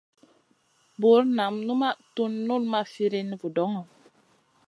Bur nam numaʼ tun null ma firina vudoŋo.